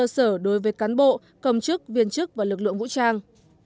nghị định mức lương cơ sở đối với cán bộ công chức viên chức và lực lượng vũ trang